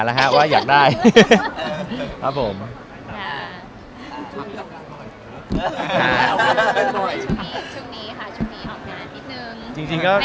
ก็หลับมานานแล้วเหมือนกัน